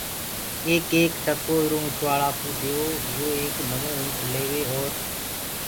ايڪ ايڪ ٽڪو ايٚرو اُنٚٺوآݪائو ديئو يو ايڪ نوو اُنٚٺ ليوي اور